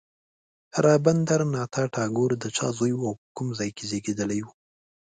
رابندر ناته ټاګور د چا زوی او په کوم ځای کې زېږېدلی و.